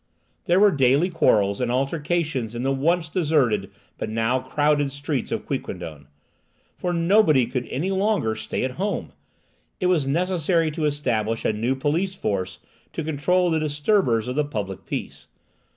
There were daily quarrels and altercations in the once deserted but now crowded streets of Quiquendone; for nobody could any longer stay at home. It was necessary to establish a new police force to control the disturbers of the public peace.